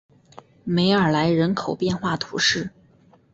梅尔莱人口变化图示